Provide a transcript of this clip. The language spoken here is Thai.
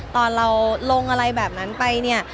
ตอนเราลงอะไรแบบนั้นไปเนี่ย